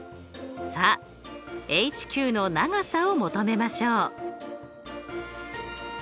さあＨＱの長さを求めましょう。